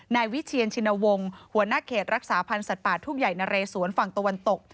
นายวิเชียนชินวงศ์หัวหน้าเขตรักษาพันธ์สัตว์ป่าทุ่งใหญ่นะเรสวนฝั่งตะวันตก